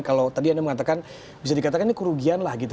kalau tadi anda mengatakan bisa dikatakan ini kerugian lah gitu